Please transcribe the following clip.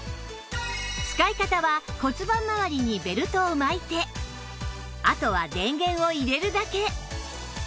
使い方は骨盤まわりにベルトを巻いてあとは電源を入れるだけ